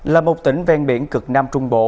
là một tỉnh ven biển cực nam trung bộ